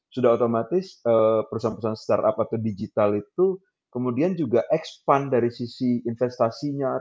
sudah otomatis perusahaan perusahaan startup atau digital itu kemudian juga expand dari sisi investasinya